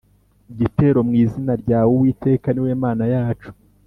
gitero mu izina ryawe Uwiteka ni wowe Mana yacu